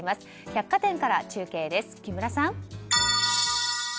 百貨店から中継です、木村さん。